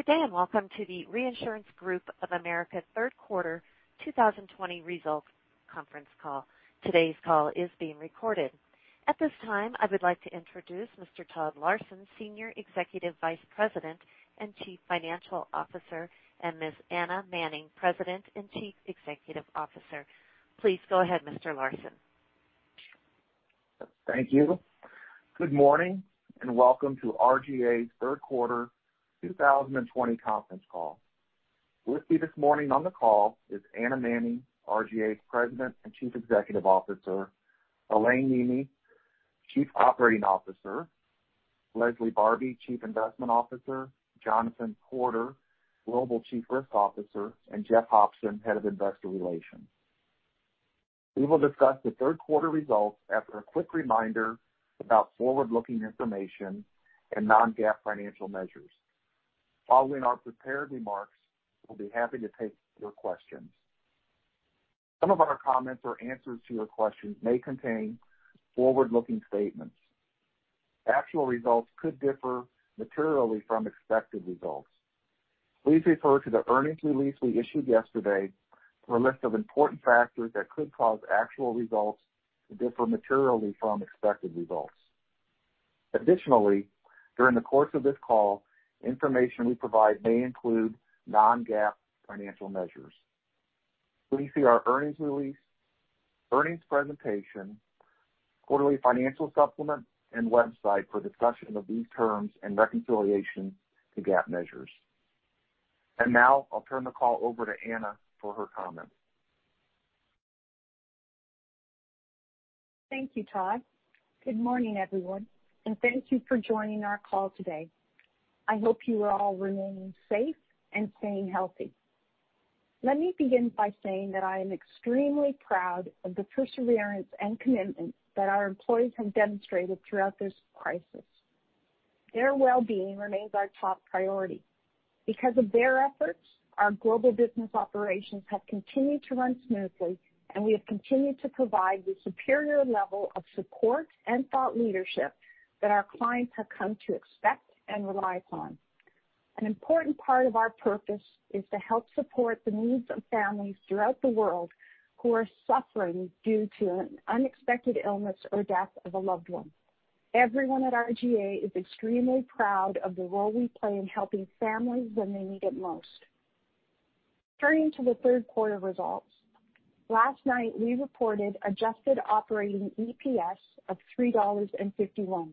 Good day, and welcome to the Reinsurance Group of America third quarter 2020 results conference call. Today's call is being recorded. At this time, I would like to introduce Mr. Todd Larson, Senior Executive Vice President and Chief Financial Officer, and Ms. Anna Manning, President and Chief Executive Officer. Please go ahead, Mr. Larson. Thank you. Good morning, welcome to RGA's third quarter 2020 conference call. With me this morning on the call is Anna Manning, RGA's President and Chief Executive Officer, Alain Néemeh, Chief Operating Officer, Leslie Barbi, Chief Investment Officer, Jonathan Porter, Global Chief Risk Officer, and Jeff Hopson, Head of Investor Relations. We will discuss the third quarter results after a quick reminder about forward-looking information and non-GAAP financial measures. Following our prepared remarks, we'll be happy to take your questions. Some of our comments or answers to your questions may contain forward-looking statements. Actual results could differ materially from expected results. Please refer to the earnings release we issued yesterday for a list of important factors that could cause actual results to differ materially from expected results. Additionally, during the course of this call, information we provide may include non-GAAP financial measures. Please see our earnings release, earnings presentation, quarterly financial supplement, and website for a discussion of these terms and reconciliation to GAAP measures. Now I'll turn the call over to Anna for her comments. Thank you, Todd. Good morning, everyone, and thank you for joining our call today. I hope you are all remaining safe and staying healthy. Let me begin by saying that I am extremely proud of the perseverance and commitment that our employees have demonstrated throughout this crisis. Their well-being remains our top priority. Because of their efforts, our global business operations have continued to run smoothly, and we have continued to provide the superior level of support and thought leadership that our clients have come to expect and rely upon. An important part of our purpose is to help support the needs of families throughout the world who are suffering due to an unexpected illness or death of a loved one. Everyone at RGA is extremely proud of the role we play in helping families when they need it most. Turning to the third quarter results. Last night, we reported adjusted operating EPS of $3.51,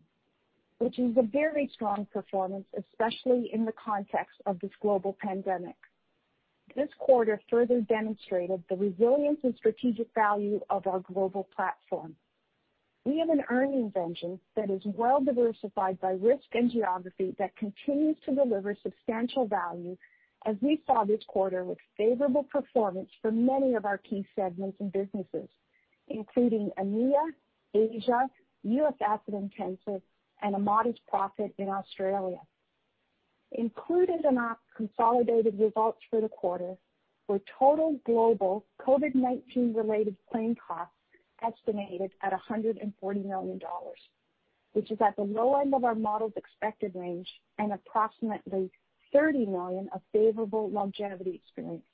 which is a very strong performance, especially in the context of this global pandemic. This quarter further demonstrated the resilience and strategic value of our global platform. We have an earnings engine that is well diversified by risk and geography that continues to deliver substantial value as we saw this quarter with favorable performance for many of our key segments and businesses, including EMEA, Asia, U.S. Asset-Intensive, and a modest profit in Australia. Included in our consolidated results for the quarter were total global COVID-19 related claim costs estimated at $140 million, which is at the low end of our model's expected range and approximately $30 million of favorable longevity experience.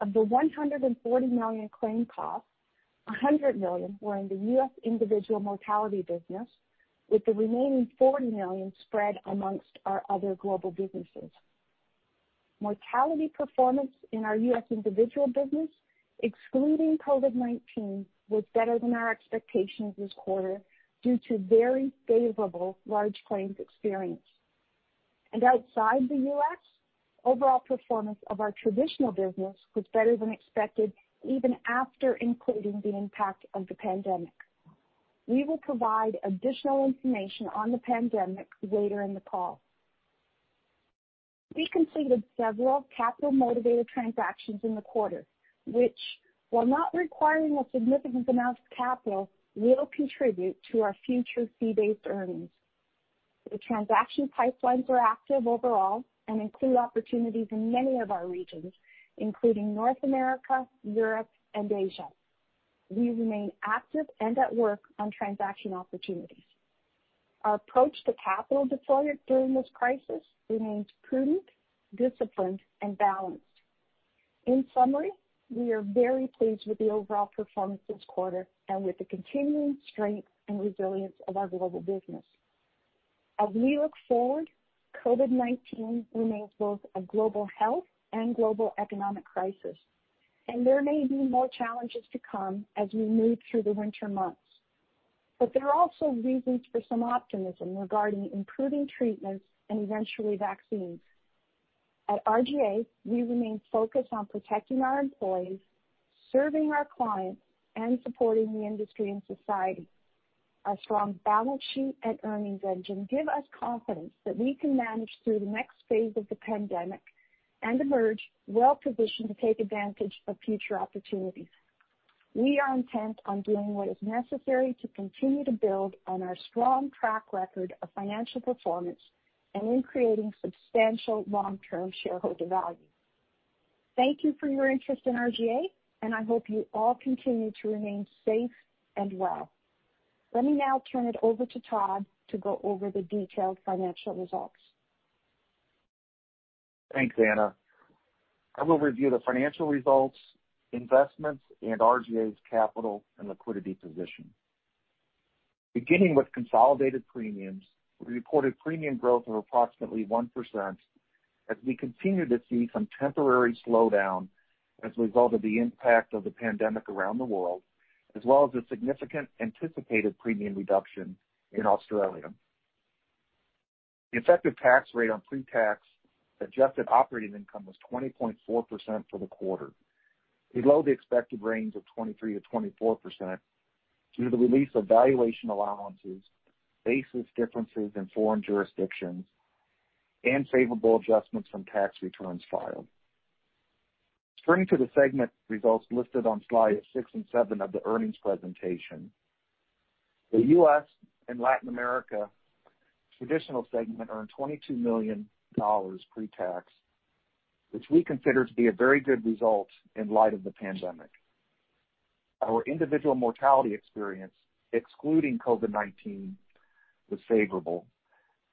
Of the $140 million claim costs, $100 million were in the U.S. individual mortality business, with the remaining $40 million spread amongst our other global businesses. Mortality performance in our U.S. individual business, excluding COVID-19, was better than our expectations this quarter due to very favorable large claims experience. Outside the U.S., overall performance of our Traditional business was better than expected, even after including the impact of the pandemic. We will provide additional information on the pandemic later in the call. We completed several capital-motivated transactions in the quarter, which, while not requiring a significant amount of capital, will contribute to our future fee-based earnings. The transaction pipelines are active overall and include opportunities in many of our regions, including North America, Europe, and Asia. We remain active and at work on transaction opportunities. Our approach to capital deployment during this crisis remains prudent, disciplined, and balanced. In summary, we are very pleased with the overall performance this quarter and with the continuing strength and resilience of our global business. As we look forward, COVID-19 remains both a global health and global economic crisis, and there may be more challenges to come as we move through the winter months. There are also reasons for some optimism regarding improving treatments and eventually vaccines. At RGA, we remain focused on protecting our employees, serving our clients, and supporting the industry and society. Our strong balance sheet and earnings engine give us confidence that we can manage through the next phase of the pandemic and emerge well-positioned to take advantage of future opportunities. We are intent on doing what is necessary to continue to build on our strong track record of financial performance and in creating substantial long-term shareholder value. Thank you for your interest in RGA, and I hope you all continue to remain safe and well. Let me now turn it over to Todd to go over the detailed financial results. Thanks, Anna. I will review the financial results, investments, and RGA's capital and liquidity position. Beginning with consolidated premiums, we reported premium growth of approximately 1% as we continue to see some temporary slowdown as a result of the impact of the pandemic around the world, as well as a significant anticipated premium reduction in Australia. The effective tax rate on pre-tax adjusted operating income was 20.4% for the quarter, below the expected range of 23%-24%, due to the release of valuation allowances, basis differences in foreign jurisdictions, and favorable adjustments from tax returns filed. Turning to the segment results listed on slides six and seven of the earnings presentation, the U.S. and Latin America Traditional segment earned $22 million pre-tax, which we consider to be a very good result in light of the pandemic. Our individual mortality experience, excluding COVID-19, was favorable.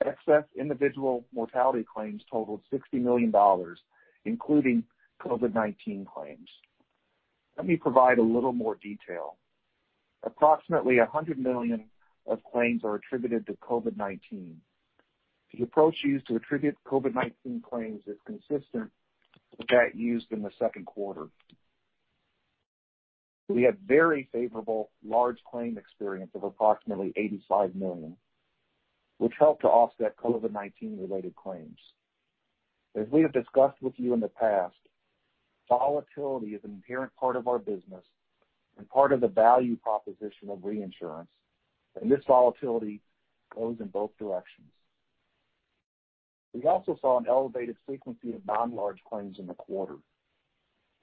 Excess individual mortality claims totaled $60 million, including COVID-19 claims. Let me provide a little more detail. Approximately $100 million of claims are attributed to COVID-19. The approach used to attribute COVID-19 claims is consistent with that used in the second quarter. We had very favorable large claim experience of approximately $85 million, which helped to offset COVID-19 related claims. As we have discussed with you in the past, volatility is an inherent part of our business and part of the value proposition of reinsurance. This volatility goes in both directions. We also saw an elevated frequency of non-large claims in the quarter.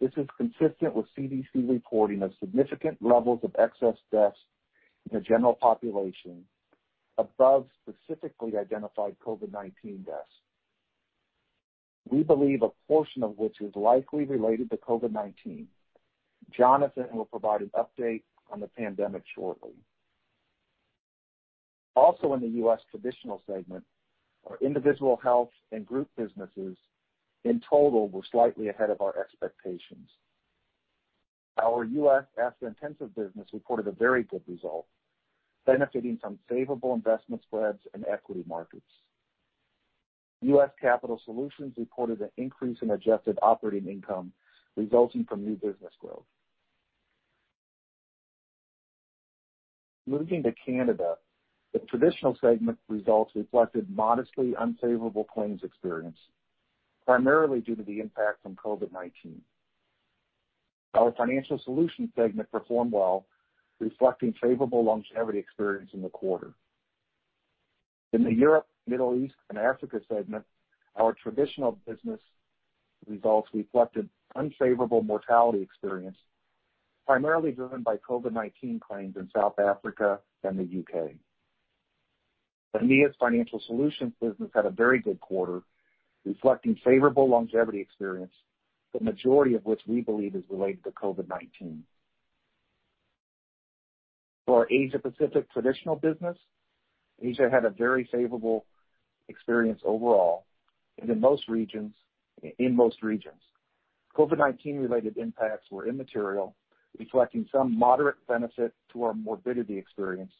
This is consistent with CDC reporting of significant levels of excess deaths in the general population above specifically identified COVID-19 deaths. We believe a portion of which is likely related to COVID-19. Jonathan will provide an update on the pandemic shortly. Also in the U.S. Traditional segment, our individual health and group businesses in total were slightly ahead of our expectations. Our U.S. Asset-Intensive business reported a very good result, benefiting from favorable investment spreads and equity markets. U.S. Capital Solutions reported an increase in adjusted operating income resulting from new business growth. Moving to Canada, the Traditional segment results reflected modestly unfavorable claims experience, primarily due to the impact from COVID-19. Our Financial Solutions segment performed well, reflecting favorable longevity experience in the quarter. In the Europe, Middle East, and Africa segment, our Traditional business results reflected unfavorable mortality experience, primarily driven by COVID-19 claims in South Africa and the U.K. EMEA's Financial Solutions business had a very good quarter, reflecting favorable longevity experience, the majority of which we believe is related to COVID-19. For our Asia Pacific Traditional business, Asia had a very favorable experience overall in most regions. COVID-19 related impacts were immaterial, reflecting some moderate benefit to our morbidity experience,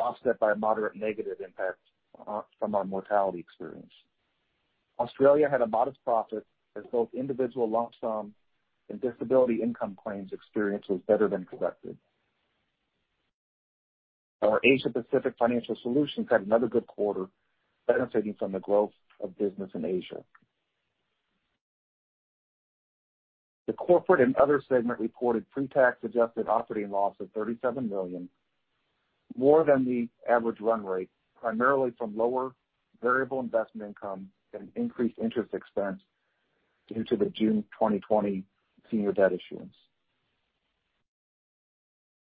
offset by a moderate negative impact from our mortality experience. Australia had a modest profit as both individual lump sum and disability income claims experience was better than projected. Our Asia Pacific Financial Solutions had another good quarter, benefiting from the growth of business in Asia. The Corporate and Other segment reported pre-tax adjusted operating loss of $37 million, more than the average run rate, primarily from lower variable investment income and increased interest expense due to the June 2020 senior debt issuance.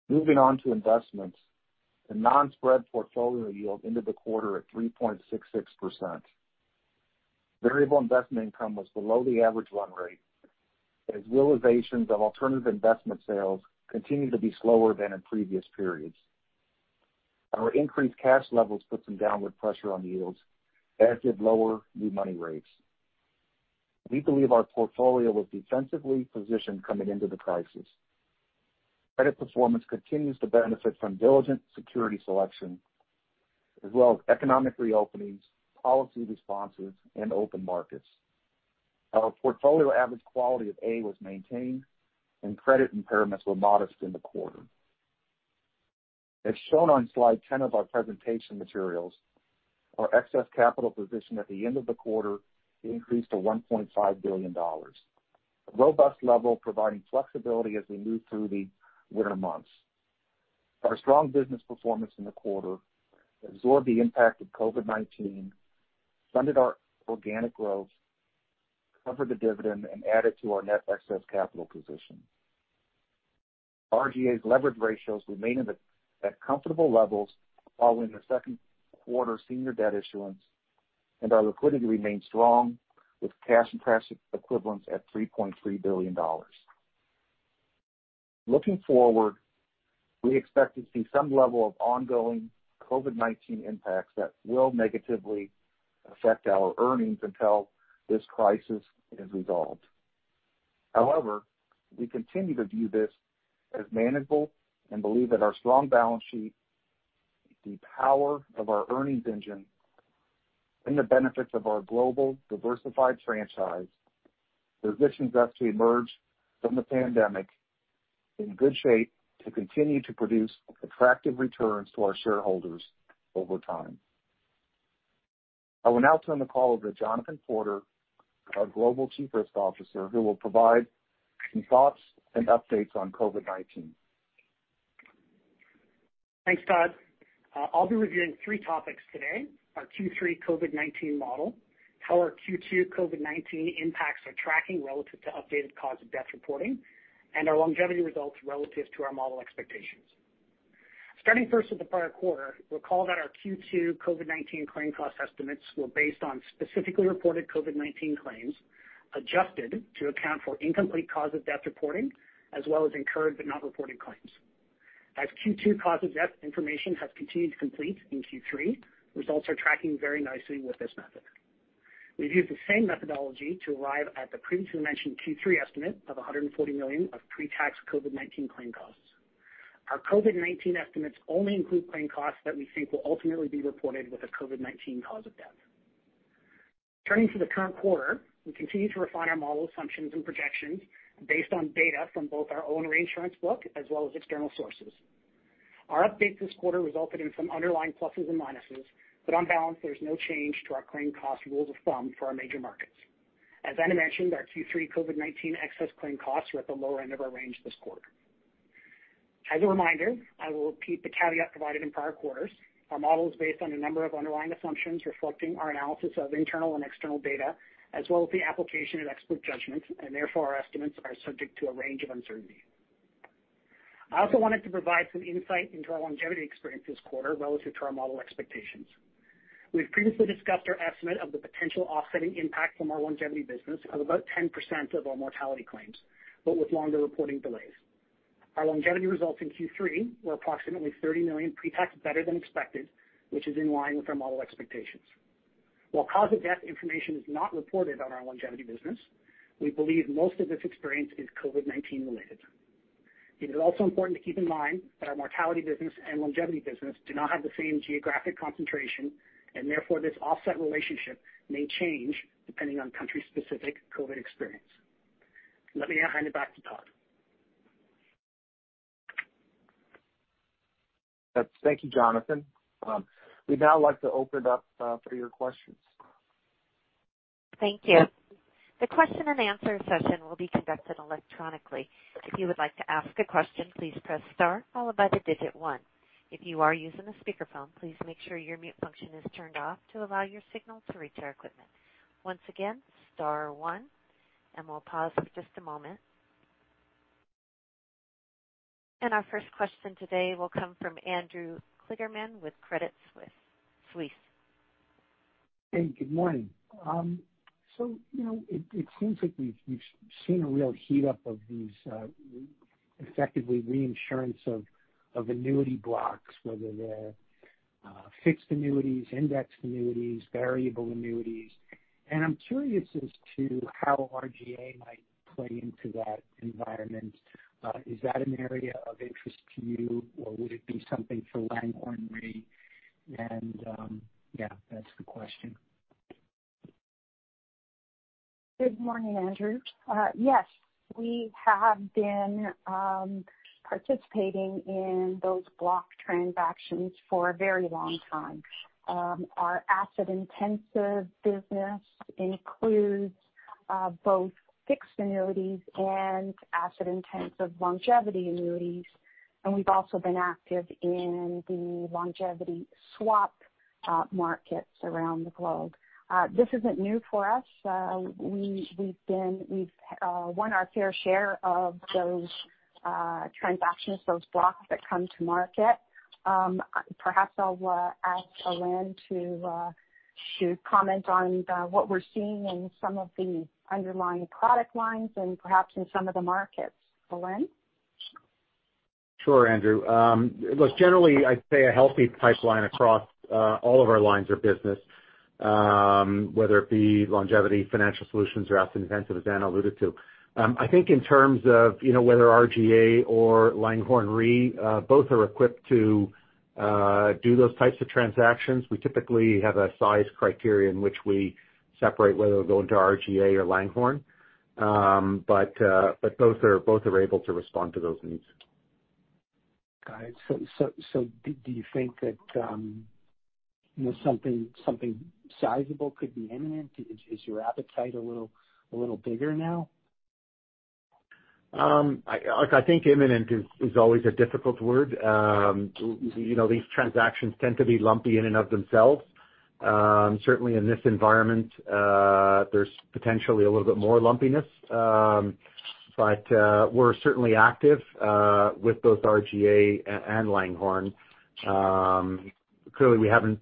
Moving on to investments, the non-spread portfolio yield ended the quarter at 3.66%. Variable investment income was below the average run rate, as realizations of alternative investment sales continue to be slower than in previous periods. Our increased cash levels put some downward pressure on yields, as did lower new money rates. We believe our portfolio was defensively positioned coming into the crisis. Credit performance continues to benefit from diligent security selection as well as economic reopenings, policy responses, and open markets. Our portfolio average quality of A was maintained, and credit impairments were modest in the quarter. As shown on slide 10 of our presentation materials, our excess capital position at the end of the quarter increased to $1.5 billion, a robust level providing flexibility as we move through the winter months. Our strong business performance in the quarter absorbed the impact of COVID-19, funded our organic growth, covered the dividend, and added to our net excess capital position. RGA's leverage ratios remain at comfortable levels following the second quarter senior debt issuance, and our liquidity remains strong with cash and cash equivalents at $3.3 billion. Looking forward, we expect to see some level of ongoing COVID-19 impacts that will negatively affect our earnings until this crisis is resolved. However, we continue to view this as manageable and believe that our strong balance sheet, the power of our earnings engine, and the benefits of our global diversified franchise positions us to emerge from the pandemic in good shape to continue to produce attractive returns to our shareholders over time. I will now turn the call over to Jonathan Porter, our Global Chief Risk Officer, who will provide some thoughts and updates on COVID-19. Thanks, Todd. I'll be reviewing three topics today: our Q3 COVID-19 model, how our Q2 COVID-19 impacts are tracking relative to updated cause of death reporting, and our longevity results relative to our model expectations. Starting first with the prior quarter, recall that our Q2 COVID-19 claim cost estimates were based on specifically reported COVID-19 claims, adjusted to account for incomplete cause of death reporting, as well as incurred but not reported claims. Q2 cause of death information has continued to complete in Q3, results are tracking very nicely with this method. We've used the same methodology to arrive at the previously mentioned Q3 estimate of $140 million of pre-tax COVID-19 claim costs. Our COVID-19 estimates only include claim costs that we think will ultimately be reported with a COVID-19 cause of death. Turning to the current quarter, we continue to refine our model assumptions and projections based on data from both our own reinsurance book as well as external sources. Our update this quarter resulted in some underlying pluses and minuses, but on balance, there's no change to our claim cost rules of thumb for our major markets. As Anna mentioned, our Q3 COVID-19 excess claim costs are at the lower end of our range this quarter. As a reminder, I will repeat the caveat provided in prior quarters. Our model is based on a number of underlying assumptions reflecting our analysis of internal and external data, as well as the application of expert judgment, and therefore, our estimates are subject to a range of uncertainty. I also wanted to provide some insight into our longevity experience this quarter relative to our model expectations. We've previously discussed our estimate of the potential offsetting impact from our longevity business of about 10% of our mortality claims, but with longer reporting delays. Our longevity results in Q3 were approximately $30 million pre-tax better than expected, which is in line with our model expectations. While cause of death information is not reported on our longevity business, we believe most of this experience is COVID-19 related. It is also important to keep in mind that our mortality business and longevity business do not have the same geographic concentration, and therefore, this offset relationship may change depending on country-specific COVID experience. Let me now hand it back to Todd. Thank you, Jonathan. We'd now like to open it up for your questions. Thank you. The question and answer session will be conducted electronically. If you would like to ask a question, please press star followed by the digit one. If you are using a speakerphone, please make sure your mute function is turned off to allow your signal to reach our equipment. Once again, star one, and we'll pause for just a moment. Our first question today will come from Andrew Kligerman with Credit Suisse. Hey, good morning. It seems like we've seen a real heat up of these, effectively reinsurance of annuity blocks, whether they're fixed annuities, index annuities, variable annuities. I'm curious as to how RGA might play into that environment. Is that an area of interest to you, or would it be something for Langhorne Re? Yeah, that's the question. Good morning, Andrew. Yes, we have been participating in those block transactions for a very long time. Our U.S. Asset-Intensive business includes both fixed annuities and asset-intensive longevity annuities, and we've also been active in the longevity swap markets around the globe. This isn't new for us. We've won our fair share of those transactions, those blocks that come to market. Perhaps I'll ask Alain to comment on what we're seeing in some of the underlying product lines and perhaps in some of the markets. Alain? Sure, Andrew. Look, generally, I'd say a healthy pipeline across all of our lines of business, whether it be longevity, Financial Solutions, or Asset-Intensive, as Anna alluded to. I think in terms of whether RGA or Langhorne Re, both are equipped to do those types of transactions. We typically have a size criteria in which we separate whether they'll go into RGA or Langhorne. Both are able to respond to those needs. Got it. Do you think that something sizable could be imminent? Is your appetite a little bigger now? I think imminent is always a difficult word. These transactions tend to be lumpy in and of themselves. Certainly in this environment, there's potentially a little bit more lumpiness. We're certainly active with both RGA and Langhorne. Clearly we haven't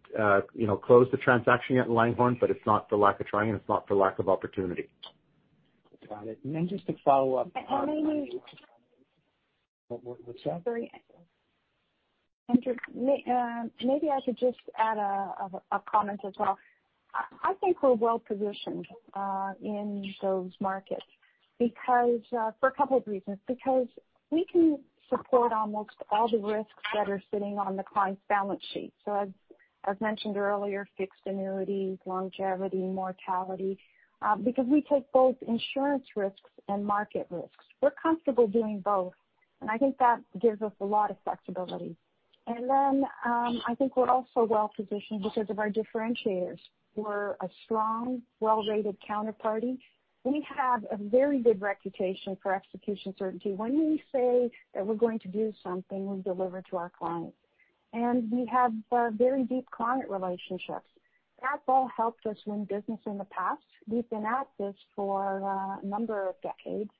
closed the transaction yet in Langhorne, but it's not for lack of trying, and it's not for lack of opportunity. Got it. And maybe- What's that? Sorry. Andrew, maybe I should just add a comment as well. I think we're well-positioned in those markets for a couple of reasons, because we can support almost all the risks that are sitting on the client's balance sheet. As mentioned earlier, fixed annuities, longevity, mortality, because we take both insurance risks and market risks. We're comfortable doing both, and I think that gives us a lot of flexibility. I think we're also well-positioned because of our differentiators. We're a strong, well-rated counterparty. We have a very good reputation for execution certainty. When we say that we're going to do something, we deliver to our clients. We have very deep client relationships. That's all helped us win business in the past. We've been at this for a number of decades,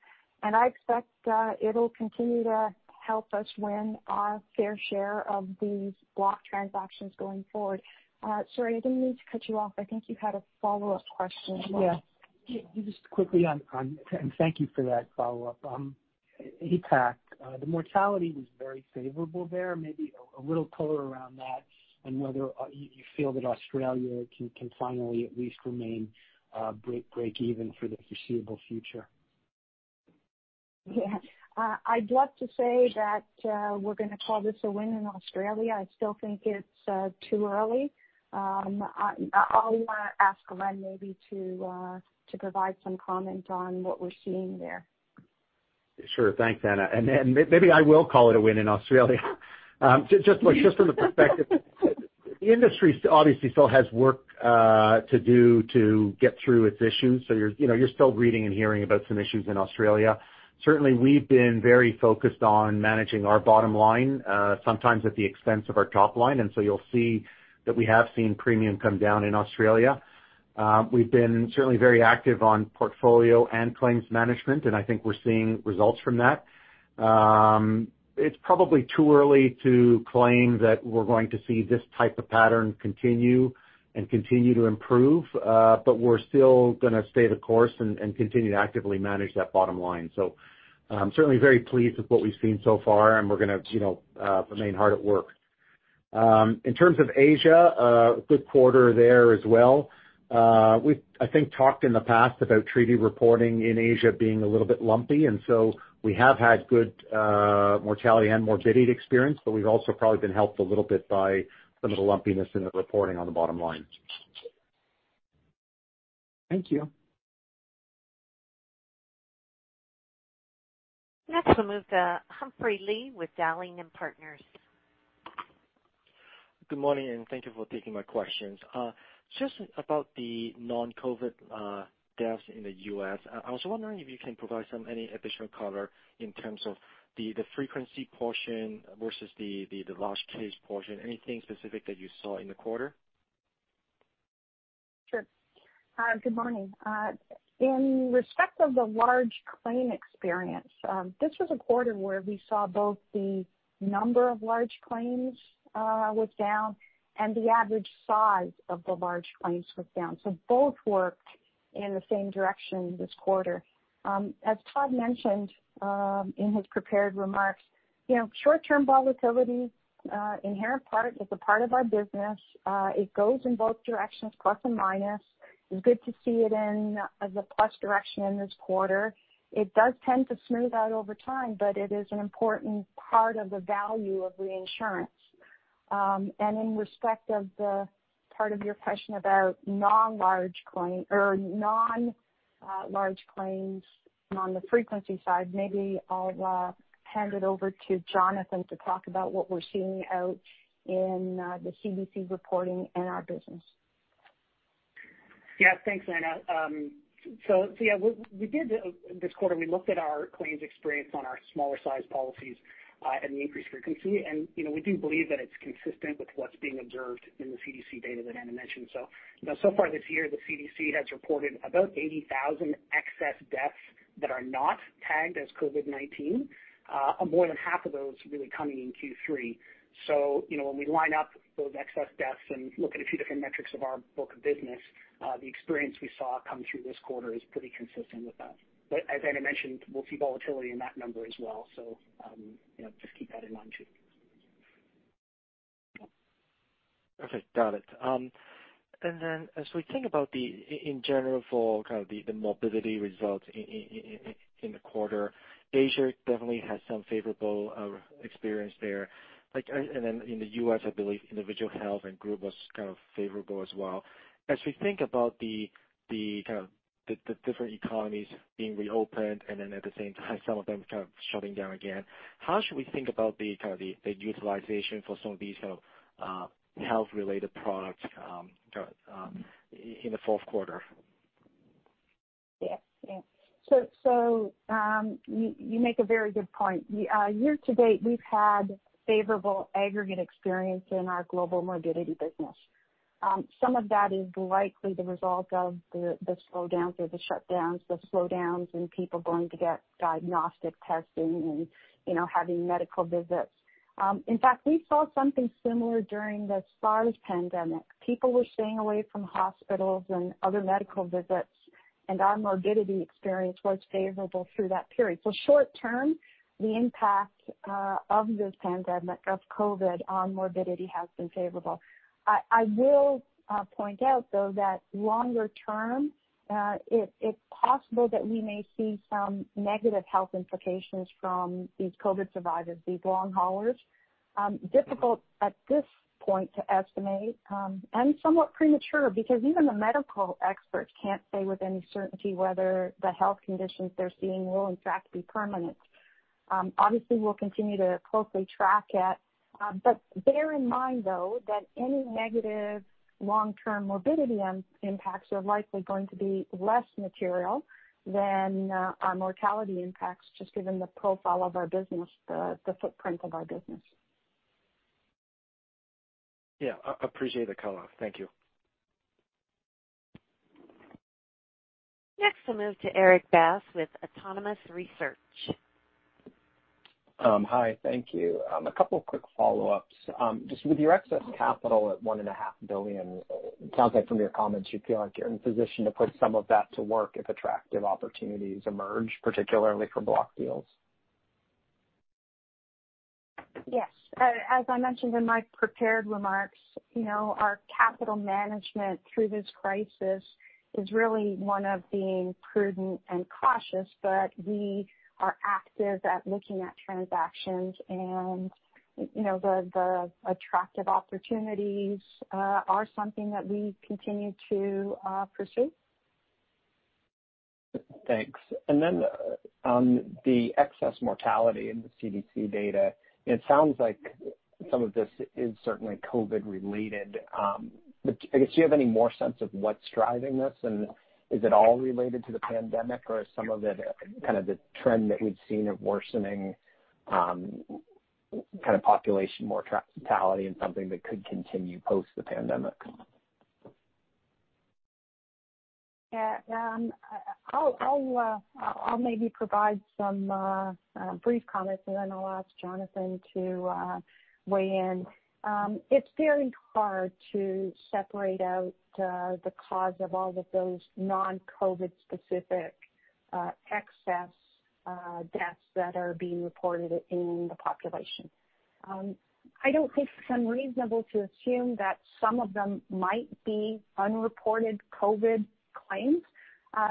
and I expect it'll continue to help us win our fair share of these block transactions going forward. Sorry, I didn't mean to cut you off. I think you had a follow-up question? Yeah. Just quickly on, thank you for that follow-up. APAC, the mortality was very favorable there, maybe a little color around that and whether you feel that Australia can finally at least remain break even for the foreseeable future? Yeah. I'd love to say that we're going to call this a win in Australia. I still think it's too early. I'll ask Alain maybe to provide some comment on what we're seeing there. Sure. Thanks, Anna. Maybe I will call it a win in Australia. Just from the perspective, the industry obviously still has work to do to get through its issues. You're still reading and hearing about some issues in Australia. Certainly, we've been very focused on managing our bottom line, sometimes at the expense of our top line, you'll see that we have seen premium come down in Australia. We've been certainly very active on portfolio and claims management, I think we're seeing results from that. It's probably too early to claim that we're going to see this type of pattern continue and continue to improve. We're still going to stay the course and continue to actively manage that bottom line. I'm certainly very pleased with what we've seen so far, we're going to remain hard at work. In terms of Asia, a good quarter there as well. We've, I think, talked in the past about treaty reporting in Asia being a little bit lumpy, and so we have had good mortality and morbidity experience, but we've also probably been helped a little bit by some of the lumpiness in the reporting on the bottom line. Thank you. Next, we'll move to Humphrey Lee with Dowling & Partners. Good morning. Thank you for taking my questions. Just about the non-COVID deaths in the U.S., I was wondering if you can provide any additional color in terms of the frequency portion versus the large case portion. Anything specific that you saw in the quarter? Sure. Good morning. In respect of the large claim experience, this was a quarter where we saw both the number of large claims was down and the average size of the large claims was down. Both worked in the same direction this quarter. As Todd mentioned in his prepared remarks, short-term volatility, inherent part, is a part of our business. It goes in both directions, plus and minus. It's good to see it in the plus direction in this quarter. It does tend to smooth out over time, but it is an important part of the value of reinsurance. In respect of the part of your question about non-large claims on the frequency side, maybe I'll hand it over to Jonathan to talk about what we're seeing out in the CDC reporting in our business. Thanks, Anna. This quarter, we looked at our claims experience on our smaller size policies and the increased frequency, and we do believe that it's consistent with what's being observed in the CDC data that Anna mentioned. So far this year, the CDC has reported about 80,000 excess deaths that are not tagged as COVID-19, more than half of those really coming in Q3. When we line up those excess deaths and look at a few different metrics of our book of business, the experience we saw come through this quarter is pretty consistent with that. As Anna mentioned, we'll see volatility in that number as well, so just keep that in mind, too. Okay. Got it. As we think about in general for kind of the morbidity results in the quarter, Asia definitely had some favorable experience there. In the U.S., I believe individual health and group was kind of favorable as well. As we think about the different economies being reopened and then at the same time some of them kind of shutting down again, how should we think about the utilization for some of these kind of health-related products in the fourth quarter? Yes. You make a very good point. Year to date, we've had favorable aggregate experience in our global morbidity business. Some of that is likely the result of the slowdowns or the shutdowns, the slowdowns in people going to get diagnostic testing and having medical visits. In fact, we saw something similar during the SARS pandemic. People were staying away from hospitals and other medical visits, and our morbidity experience was favorable through that period. Short term, the impact of this pandemic, of COVID on morbidity has been favorable. I will point out, though, that longer term, it's possible that we may see some negative health implications from these COVID survivors, these long haulers. Difficult at this point to estimate, and somewhat premature, because even the medical experts can't say with any certainty whether the health conditions they're seeing will in fact be permanent. Obviously, we'll continue to closely track it. Bear in mind, though, that any negative long-term morbidity impacts are likely going to be less material than our mortality impacts, just given the profile of our business, the footprint of our business. Yeah. I appreciate the color. Thank you. Next, we'll move to Erik Bass with Autonomous Research. Hi. Thank you. A couple of quick follow-ups. Just with your excess capital at $1.5 billion, it sounds like from your comments you feel like you're in position to put some of that to work if attractive opportunities emerge, particularly for block deals. Yes. As I mentioned in my prepared remarks, our capital management through this crisis is really one of being prudent and cautious, but we are active at looking at transactions, and the attractive opportunities are something that we continue to pursue. Thanks. On the excess mortality in the CDC data, it sounds like some of this is certainly COVID related. I guess, do you have any more sense of what's driving this, and is it all related to the pandemic, or is some of it kind of the trend that we've seen of worsening kind of population mortality and something that could continue post the pandemic? Yeah. I'll maybe provide some brief comments and then I'll ask Jonathan to weigh in. It's very hard to separate out the cause of all of those non-COVID specific excess deaths that are being reported in the population. I don't think it's unreasonable to assume that some of them might be unreported COVID claims.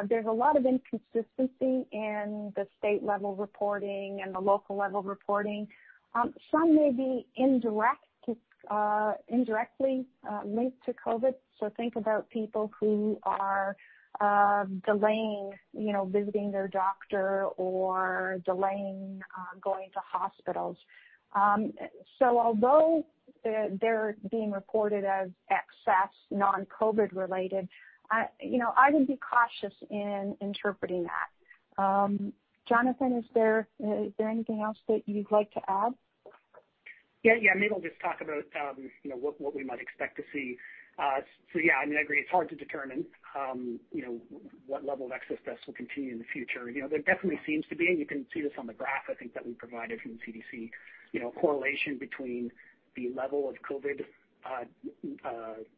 There's a lot of inconsistency in the state level reporting and the local level reporting. Some may be indirectly linked to COVID, so think about people who are delaying visiting their doctor or delaying going to hospitals. Although they're being reported as excess non-COVID related, I would be cautious in interpreting that. Jonathan, is there anything else that you'd like to add? Yeah. Maybe I'll just talk about what we might expect to see. Yeah, I mean, I agree, it's hard to determine what level of excess deaths will continue in the future. There definitely seems to be, and you can see this on the graph, I think that we provided from the CDC, correlation between the level of COVID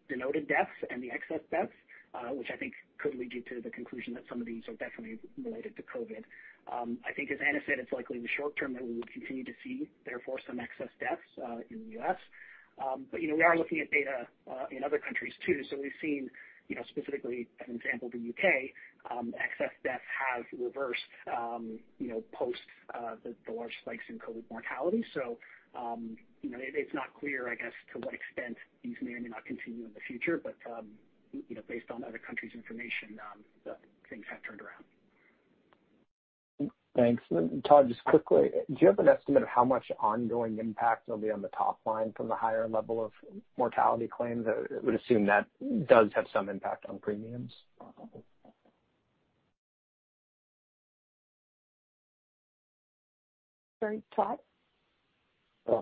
denoted deaths and the excess deaths, which I think could lead you to the conclusion that some of these are definitely related to COVID. I think as Anna said, it's likely in the short term that we will continue to see therefore some excess deaths in the U.S. We are looking at data in other countries too. We've seen specifically, as an example, the U.K., excess deaths have reversed post the large spikes in COVID mortality. It's not clear, I guess, to what extent these may or may not continue in the future, but based on other countries' information, things have turned around. Thanks. Todd, just quickly, do you have an estimate of how much ongoing impact there'll be on the top line from the higher level of mortality claims? I would assume that does have some impact on premiums. Sorry, Todd? Yeah.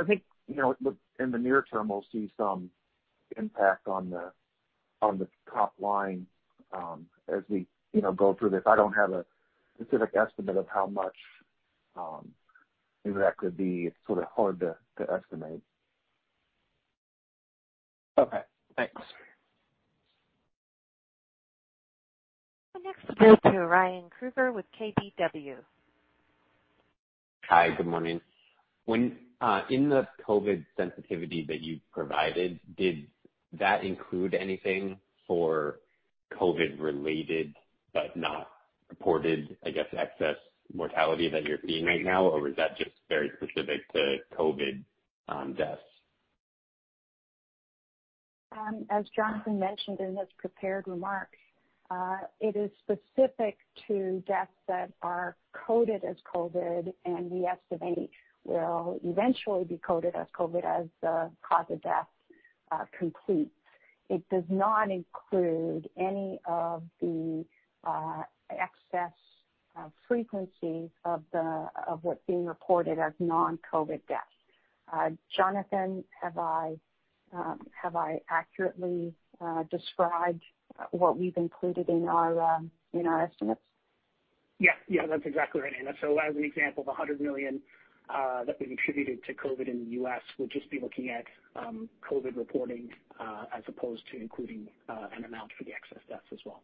I think, in the near term, we'll see some impact on the top line as we go through this. I don't have a specific estimate of how much that could be. It's sort of hard to estimate. Okay, thanks. Next we go to Ryan Krueger with KBW. Hi. Good morning. In the COVID sensitivity that you provided, did that include anything for COVID related but not reported, I guess, excess mortality that you're seeing right now? Is that just very specific to COVID deaths? As Jonathan mentioned in his prepared remarks, it is specific to deaths that are coded as COVID, and we estimate will eventually be coded as COVID as the cause of death complete. It does not include any of the excess frequencies of what's being reported as non-COVID deaths. Jonathan, have I accurately described what we've included in our estimates? Yes. That's exactly right, Anna. As an example, the $100 million that we've attributed to COVID in the U.S. would just be looking at COVID reporting, as opposed to including an amount for the excess deaths as well.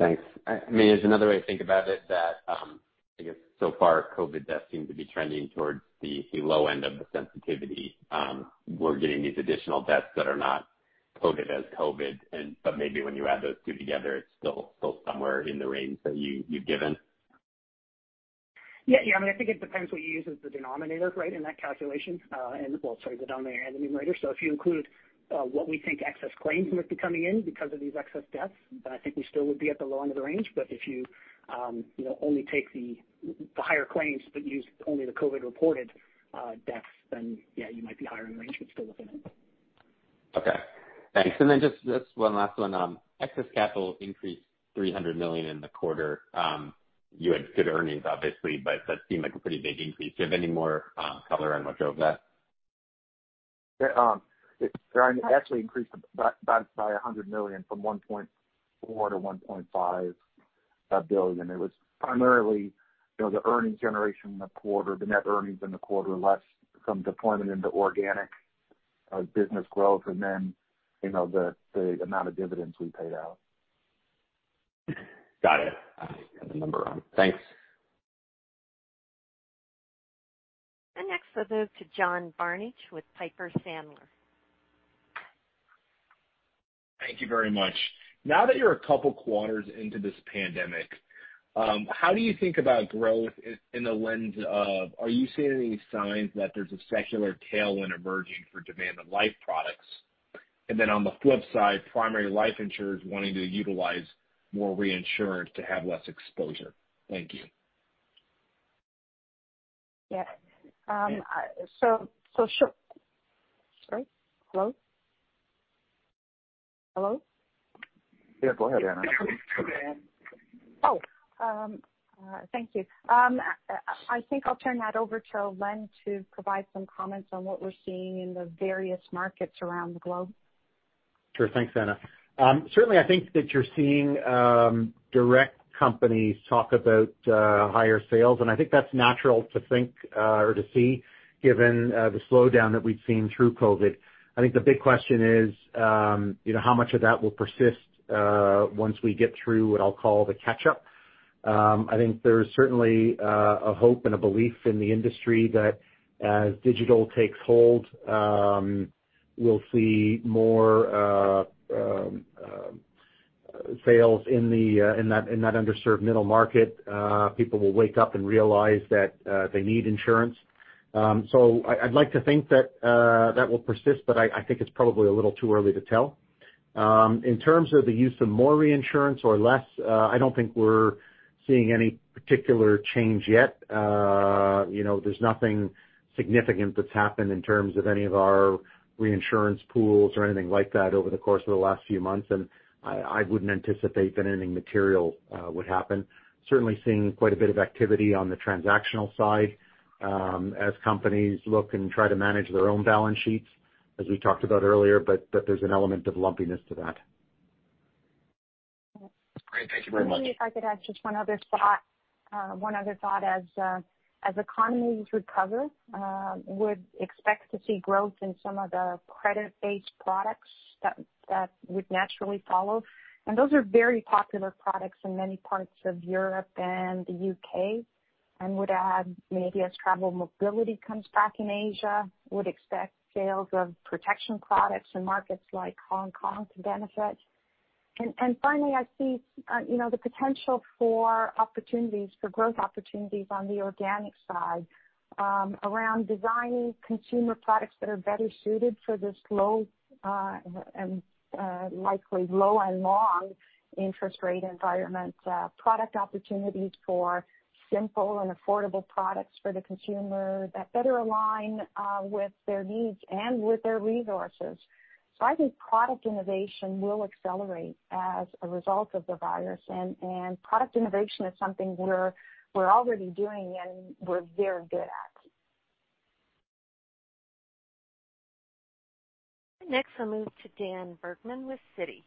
Thanks. I mean, there's another way to think about it that, I guess so far, COVID deaths seem to be trending towards the low end of the sensitivity. We're getting these additional deaths that are not coded as COVID, but maybe when you add those two together, it's still somewhere in the range that you've given. Yeah. I mean, I think it depends what you use as the denominator, right, in that calculation. Well, sorry, the denominator and the numerator. If you include what we think excess claims might be coming in because of these excess deaths, then I think we still would be at the low end of the range. If you only take the higher claims but use only the COVID-reported deaths, then yeah, you might be higher in the range, but still within it. Okay, thanks. Just this one last one. Excess capital increased $300 million in the quarter. You had good earnings, obviously, but that seemed like a pretty big increase. Do you have any more color on what drove that? Yeah. It actually increased about by $100 million from $1.4 billion-$1.5 billion. It was primarily the earnings generation in the quarter, the net earnings in the quarter, less some deployment into organic business growth and then the amount of dividends we paid out. Got it. Had the number wrong. Thanks. Next, I'll move to John Barnidge with Piper Sandler. Thank you very much. Now that you're a couple quarters into this pandemic, how do you think about growth in the lens of, are you seeing any signs that there's a secular tailwind emerging for demand in life products, on the flip side, primary life insurers wanting to utilize more reinsurance to have less exposure? Thank you. Yeah. Sure. Sorry. Hello? Hello? Yeah, go ahead, Anna. Oh, thank you. I think I'll turn that over to Alain to provide some comments on what we're seeing in the various markets around the globe. Sure. Thanks, Anna. Certainly, I think that you're seeing direct companies talk about higher sales, and I think that's natural to think or to see, given the slowdown that we've seen through COVID-19. I think the big question is, how much of that will persist once we get through what I'll call the catch-up. I think there's certainly a hope and a belief in the industry that as digital takes hold, we'll see more sales in that underserved middle market. People will wake up and realize that they need insurance. I'd like to think that that will persist, but I think it's probably a little too early to tell. In terms of the use of more reinsurance or less, I don't think we're seeing any particular change yet. There's nothing significant that's happened in terms of any of our reinsurance pools or anything like that over the course of the last few months, and I wouldn't anticipate that anything material would happen. Certainly seeing quite a bit of activity on the transactional side as companies look and try to manage their own balance sheets, as we talked about earlier, but there's an element of lumpiness to that. Great. Thank you very much. Maybe if I could add just one other thought. As economies recover, would expect to see growth in some of the credit-based products that would naturally follow. Those are very popular products in many parts of Europe and the U.K., and would add maybe as travel mobility comes back in Asia, would expect sales of protection products in markets like Hong Kong to benefit. Finally, I see the potential for growth opportunities on the organic side around designing consumer products that are better suited for this likely low and long interest rate environment. Product opportunities for simple and affordable products for the consumer that better align with their needs and with their resources. I think product innovation will accelerate as a result of the virus, and product innovation is something we're already doing, and we're very good at. Next, I'll move to Daniel Bergman with Citi.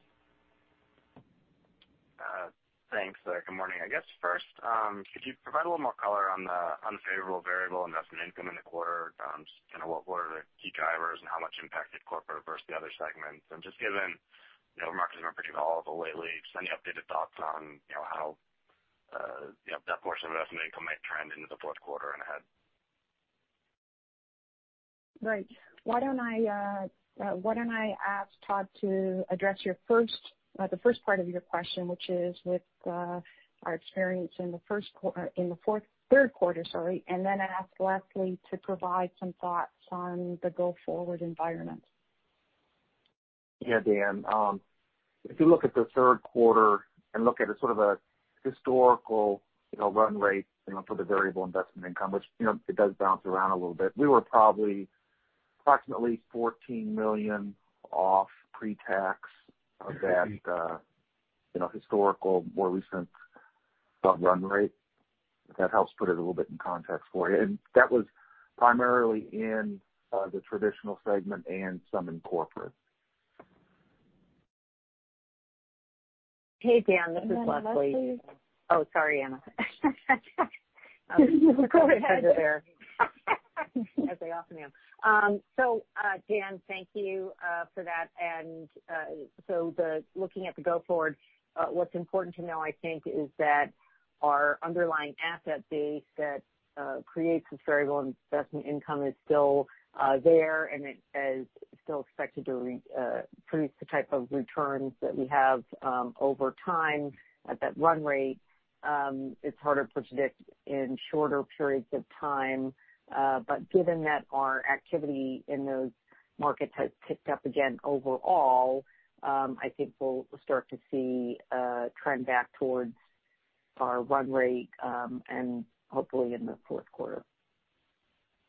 Thanks. Good morning. I guess first, could you provide a little more color on the unfavorable variable investment income in the quarter? Just what were the key drivers and how much impact did Corporate versus the Other segments? Just given markets have been pretty volatile lately, just any updated thoughts on how that portion of investment income might trend into the fourth quarter and ahead? Right. Why don't I ask Todd to address the first part of your question, which is with our experience in the third quarter, and then ask Leslie to provide some thoughts on the go-forward environment. Dan. If you look at the third quarter and look at a sort of a historical run rate for the variable investment income, which it does bounce around a little bit, we were probably approximately $14 million off pre-tax of that historical, more recent run rate. If that helps put it a little bit in context for you. That was primarily in the Traditional segment and some in Corporate. Hey, Dan, this is Leslie. Leslie. Oh, sorry, Anna. Go ahead. I interrupted there. As I often am. Dan, thank you for that. Looking at the go forward, what's important to know, I think, is that our underlying asset base that creates this variable investment income is still there, and it is still expected to produce the type of returns that we have over time at that run rate. It's harder to predict in shorter periods of time. Given that our activity in those markets has picked up again overall, I think we'll start to see a trend back towards our run rate, and hopefully in the fourth quarter.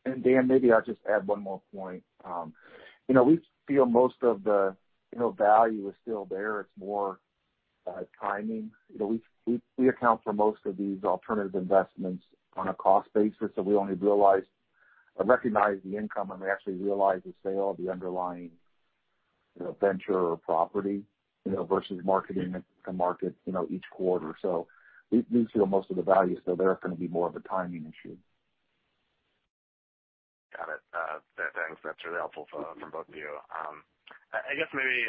Dan, maybe I'll just add one more point. We feel most of the value is still there. It's more timing. We account for most of these alternative investments on a cost basis, so we only recognize the income when we actually realize the sale of the underlying venture or property, versus marketing it to market each quarter. We feel most of the value is still there. It's going to be more of a timing issue. Got it. Thanks. That's really helpful from both of you. I guess maybe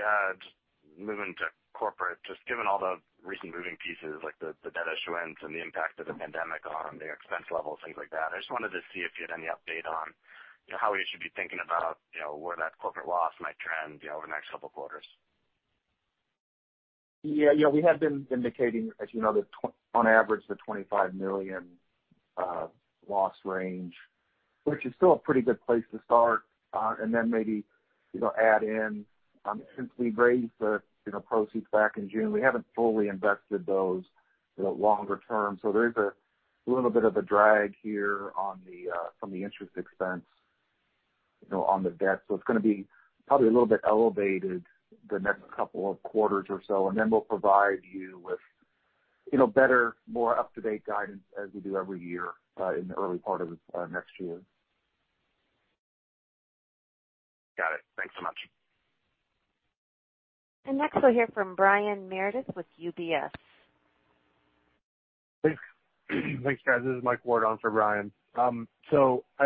just moving to Corporate, just given all the recent moving pieces, like the debt issuance and the impact of the pandemic on the expense levels, things like that, I just wanted to see if you had any update on how we should be thinking about where that Corporate loss might trend over the next couple quarters. Yeah. We have been indicating, as you know, on average, the $25 million loss range, which is still a pretty good place to start. Then maybe add in, since we raised the proceeds back in June, we haven't fully invested those longer term. There is a little bit of a drag here from the interest expense on the debt. It's going to be probably a little bit elevated the next couple of quarters or so. Then we'll provide you with better, more up-to-date guidance, as we do every year in the early part of next year. Got it. Thanks so much. Next we'll hear from Brian Meredith with UBS. Thanks, guys. This is Mike Ward on for Brian. I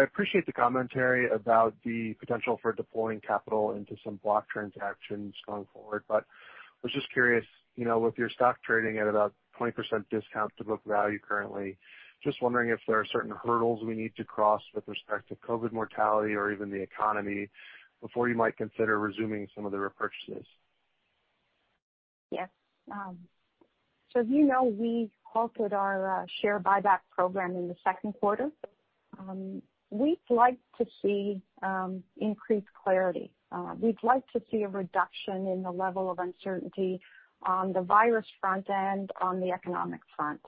appreciate the commentary about the potential for deploying capital into some block transactions going forward, but was just curious, with your stock trading at about 20% discount to book value currently, just wondering if there are certain hurdles we need to cross with respect to COVID mortality or even the economy before you might consider resuming some of the repurchases. Yes. As you know, we halted our share buyback program in the second quarter. We'd like to see increased clarity. We'd like to see a reduction in the level of uncertainty on the virus front and on the economic front.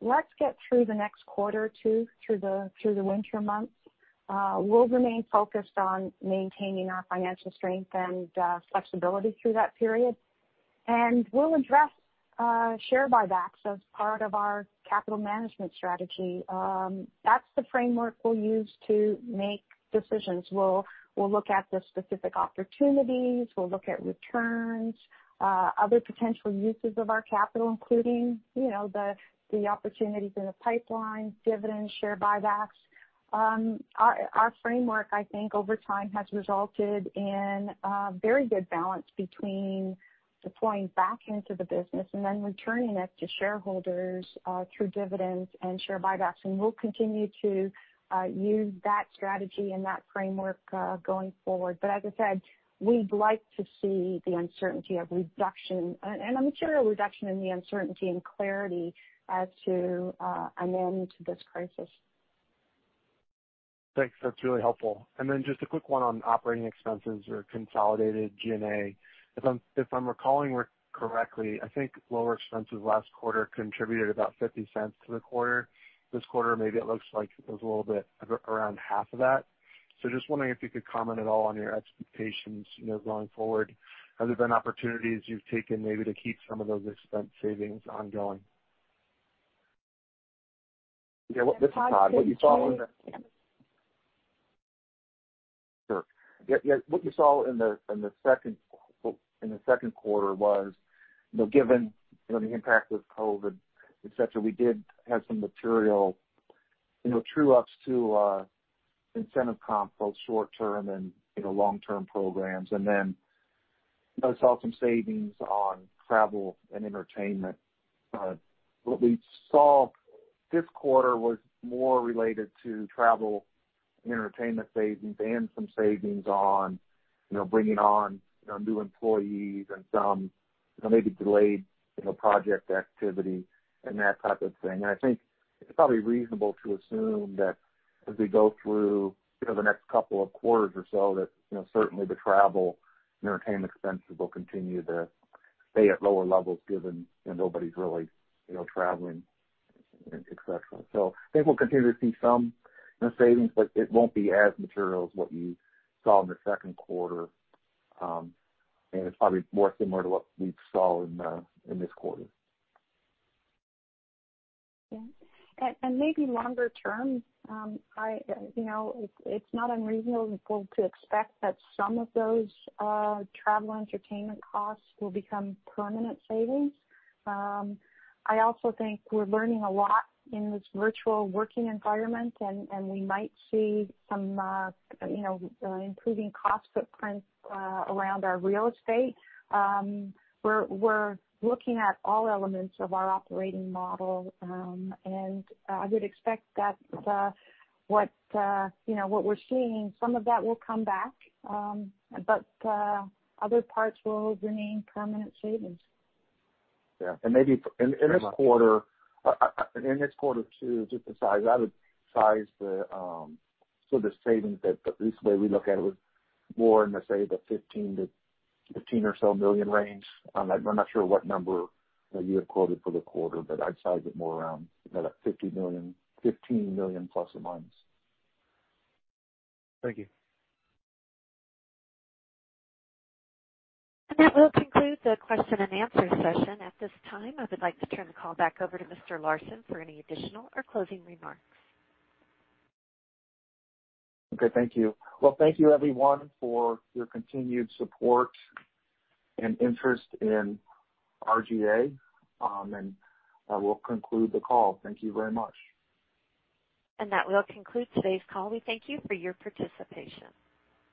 Let's get through the next quarter or two, through the winter months. We'll remain focused on maintaining our financial strength and flexibility through that period. We'll address share buybacks as part of our capital management strategy. That's the framework we'll use to make decisions. We'll look at the specific opportunities. We'll look at returns, other potential uses of our capital, including the opportunities in the pipeline, dividends, share buybacks. Our framework, I think, over time, has resulted in a very good balance between deploying back into the business and then returning it to shareholders through dividends and share buybacks. We'll continue to use that strategy and that framework going forward. As I said, we'd like to see the uncertainty of reduction, and a material reduction in the uncertainty and clarity as to an end to this crisis. Thanks. That's really helpful. Then just a quick one on operating expenses or consolidated G&A. If I'm recalling correctly, I think lower expenses last quarter contributed about $0.50 to the quarter. This quarter, maybe it looks like it was a little bit around half of that. Just wondering if you could comment at all on your expectations going forward. Have there been opportunities you've taken maybe to keep some of those expense savings ongoing? Yeah. This is Todd. What you saw in the- Todd. Sure. Yeah, what you saw in the second quarter was, given the impact of COVID, et cetera, we did have some material true-ups to incentive comp, both short-term and long-term programs, and then saw some savings on travel and entertainment. What we saw this quarter was more related to travel and entertainment savings and some savings on bringing on new employees and some maybe delayed project activity and that type of thing. I think it's probably reasonable to assume that as we go through the next couple of quarters or so, that certainly the travel and entertainment expenses will continue to stay at lower levels given nobody's really traveling, et cetera. I think we'll continue to see some savings, but it won't be as material as what you saw in the second quarter, and it's probably more similar to what we saw in this quarter. Yeah. Maybe longer term, it's not unreasonable to expect that some of those travel and entertainment costs will become permanent savings. I also think we're learning a lot in this virtual working environment. We might see some improving cost footprint around our real estate. We're looking at all elements of our operating model. I would expect that what we're seeing, some of that will come back. Other parts will remain permanent savings. Yeah. In this quarter, too, just to size, I would size the savings that at least the way we look at it was more in, let's say, the $15 million or so range. I'm not sure what number you had quoted for the quarter, but I'd size it more around that at $15 million ±. Thank you. That will conclude the question and answer session. At this time, I would like to turn the call back over to Mr. Larson for any additional or closing remarks. Okay, thank you. Well, thank you everyone for your continued support and interest in RGA. I will conclude the call. Thank you very much. That will conclude today's call. We thank you for your participation.